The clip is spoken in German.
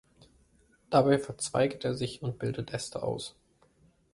Dabei verzweigt er sich und bildet Äste aus.